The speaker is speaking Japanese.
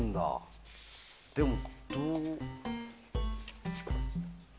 でも、どう。